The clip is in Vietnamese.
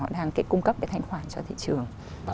đang cung cấp cái thanh khoản cho thị trường